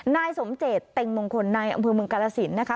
นายสมเจตเต็งมงคลในอำเภอเมืองกาลสินนะคะ